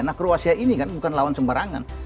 nah kroasia ini kan bukan lawan sembarangan